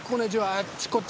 あっちこっち